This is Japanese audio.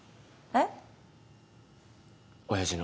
えっ？